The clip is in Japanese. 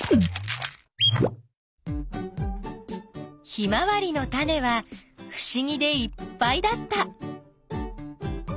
ヒマワリのタネはふしぎでいっぱいだった。